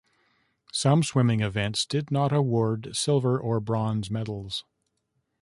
Some swimming events did not award silver or bronze medals.